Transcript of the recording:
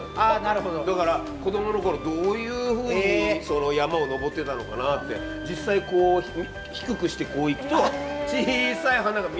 だから子どもの頃どういうふうにその山を登ってたのかなって実際こう低くしてこう行くと小さい花が見えるんですよ